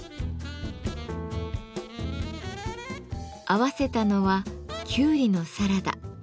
合わせたのはキュウリのサラダ。